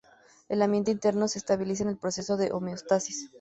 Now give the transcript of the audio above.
El ambiente interno se estabiliza en el proceso de homeostasis.